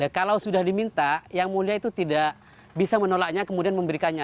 kalau sudah diminta yang mulia itu tidak bisa menolaknya kemudian memberikannya